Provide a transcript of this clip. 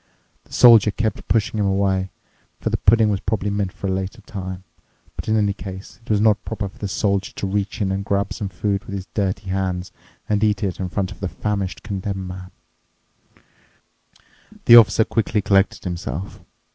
The Soldier kept pushing him away, for the pudding was probably meant for a later time, but in any case it was not proper for the Soldier to reach in and grab some food with his dirty hands and eat it in front of the famished Condemned Man. The Officer quickly collected himself.